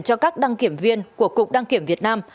cho các đăng kiểm viên của cục đăng kiểm việt nam